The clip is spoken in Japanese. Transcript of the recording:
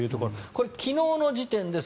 これ、昨日の時点です。